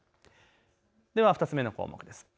では２つ目の項目です。